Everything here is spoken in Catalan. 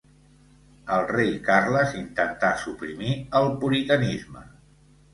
El rei Carles intentà suprimir el puritanisme.